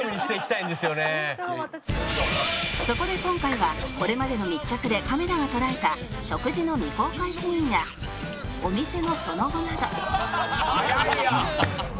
そこで今回はこれまでの密着でカメラが捉えた食事の未公開シーンやお店のその後など